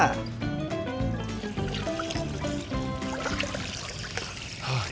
kedua kambing kering